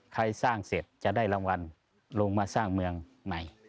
ใครสร้างเสร็จจะได้รางวัลลงมาสร้างเมืองใหม่